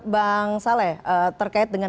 bang saleh terkait dengan